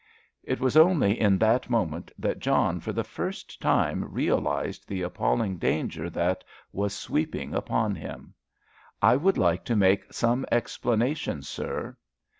It was only in that moment that John for the first time realised the appalling danger that was sweeping upon him. "I would like to make some explanation, sir."